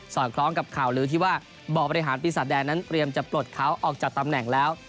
อดคล้องกับข่าวลือที่ว่าบ่อบริหารปีศาจแดงนั้นเตรียมจะปลดเขาออกจากตำแหน่งแล้ว